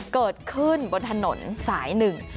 เกิดขึ้นบนถนนสายหนึ่ง